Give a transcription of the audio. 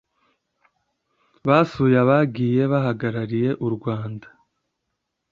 basuye abagiye bahagarariye u Rwanda